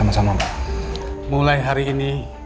masih juga enjangan